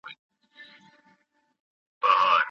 قلم له تورې څخه تېز دی.